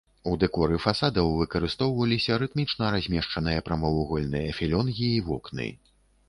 У дэкоры фасадаў выкарыстоўваліся рытмічна размешчаныя прамавугольныя філёнгі і вокны.